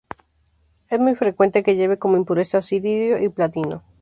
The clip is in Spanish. Es muy frecuente que lleve como impurezas iridio y platino.